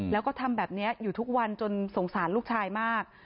แล้วก็ทำแบบนี้อยู่ทุกวันจนสงสารลูกชายมาก